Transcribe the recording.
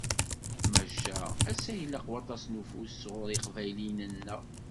Maca, ass-a ilaq waṭas n ufus sɣur yiqbayliyen-nneɣ.